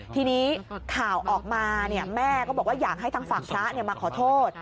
ทีนี้ข่าวออกมาแม่ก็บอกว่าอยากให้ทางฝั่งพระมาขอโทษ